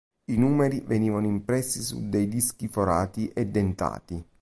I numeri venivano impressi su dei dischi forati e dentati.